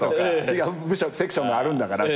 違うセクションがあるんだから。